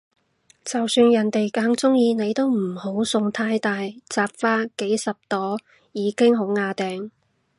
就算人哋哽鍾意你都唔好送太大紮花，幾十朵已經好椏掟